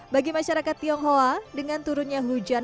bagi masyarakat tionghoa dengan turunnya hujan sepanjang bulan